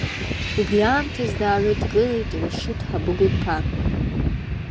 Убри аамҭаз даарыдгылеит Рашьыҭ Хабыгә-иԥа.